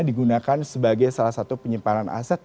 digunakan sebagai salah satu penyimpanan aset